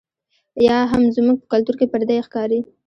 یا هم زموږ په کلتور کې پردۍ ښکاري.